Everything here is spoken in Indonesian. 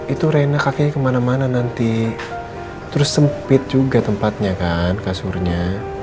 itu reina kakek kemana mana nanti terus sempit juga tempatnya kan kasurnya